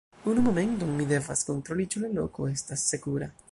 Unu momenton mi devas kontroli ĉu la loko estas sekura.